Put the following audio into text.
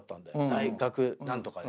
大学何とか。